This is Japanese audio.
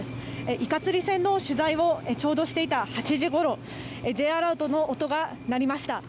イカ釣り船の取材をちょうどしていた８時ごろ、Ｊアラートの音が鳴りました。